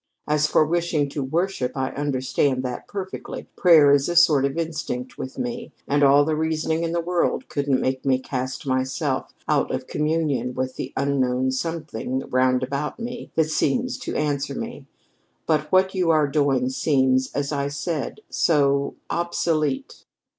As for wishing to worship, I understand that perfectly. Prayer is a sort of instinct with me, and all the reasoning in the world couldn't make me cast myself out of communion with the unknown something roundabout me that seems to answer me. But what you are doing seems, as I said, so obsolete."